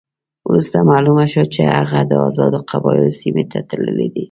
وروسته معلومه شوه چې هغه د آزادو قبایلو سیمې ته تللی دی.